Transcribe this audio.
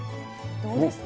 どうですか？